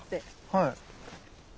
はい。